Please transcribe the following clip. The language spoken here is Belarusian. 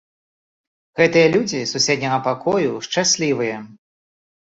Гэтыя людзі з суседняга пакою шчаслівыя.